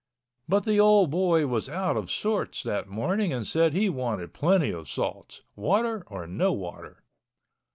But the old boy was out of sorts that morning and said he wanted plenty of salt—water or no water.